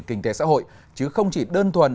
kinh tế xã hội chứ không chỉ đơn thuần